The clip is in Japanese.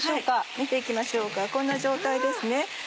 見て行きましょうかこんな状態ですね。